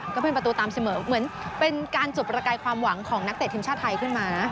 ก็เป็นประตูตามเสมอเหมือนเป็นการจุดประกายความหวังของนักเตะทีมชาติไทยขึ้นมานะ